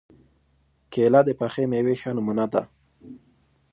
کېله د پخې مېوې ښه نمونه ده.